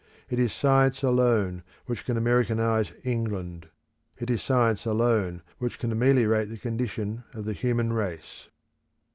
It is Science alone which can Americanise England; it is Science alone which can ameliorate the condition of the human race.